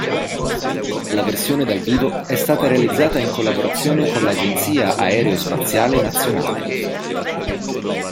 La versione dal vivo è stata realizzata in collaborazione con l'agenzia aerospaziale nazionale